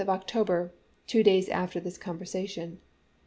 of October, two 1862. days after this conversation.